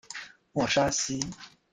沃沙西。